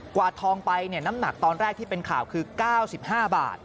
วาดทองไปน้ำหนักตอนแรกที่เป็นข่าวคือ๙๕บาท